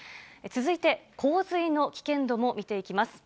続いて、洪水の危険度も見ていきます。